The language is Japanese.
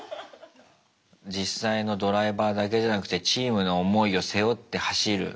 実際のドライバーだけじゃなくてチームの思いを背負って走る。